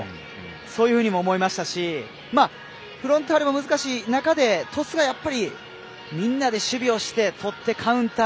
そういうふうにも思いましたしフロンターレも難しい中で鳥栖がやっぱりみんなで守備をしてとって、カウンター。